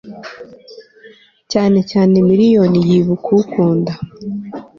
cyane cyane miriyoni yibuka ukunda